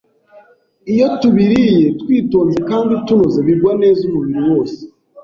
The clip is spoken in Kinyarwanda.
Iyo tubiriye twitonze kandi tunoza, bigwa neza umubiri wose.